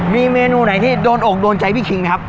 มีเมนูไหนที่โดนอกโดนใจพี่คิงไหมครับ